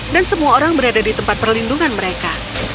dan semua orang berada di tempat perlindungan mereka